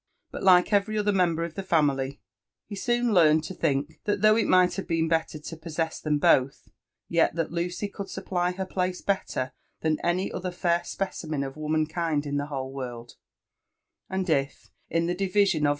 But, like every other member of, the family, he soon learned to think that though it might have been belter to possess them both, yet that Lucy could supply her place better than any other fair specimen of womankind in the whole world ; and if, ip the division of.